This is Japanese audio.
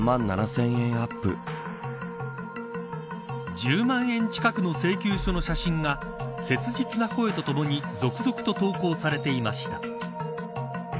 １０万円近くの請求書の写真が切実な声とともに続々と投稿されていました。